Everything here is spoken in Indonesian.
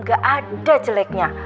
gak ada jeleknya